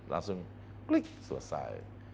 langsung klik selesai